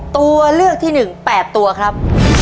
ตัวเลือกที่๑๘ตัวครับ